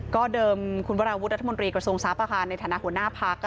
ก็เดิมคุณวราวุฒิรัฐมนตรีกระทรวงศาสตร์ประคาในฐานะหัวหน้าภาค